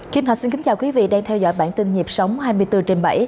kim thạch xin kính chào quý vị đang theo dõi bản tin nhịp sống hai mươi bốn trên bảy